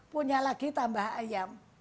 punya lagi tambah ayam